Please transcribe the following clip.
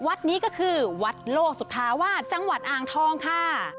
วัดนี้ก็คือวัดโลกสุธาวาสจังหวัดอ่างทองค่ะ